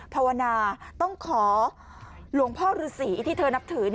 ภาวนาต้องขอหลวงพ่อฤษีที่เธอนับถือ